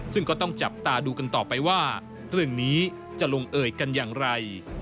ซึ่งก็ต้องจับตาดูกันต่อไปว่าเรื่องนี้จะลงเอ่ยกันอย่างไร